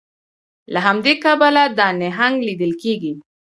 له همدې کبله دا نهنګ لیدل کیږي